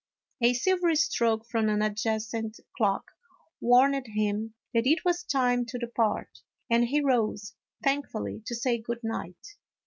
A silvery stroke from an adjacent clock warned him that it was time to depart, and he rose, thank fully, to say good night.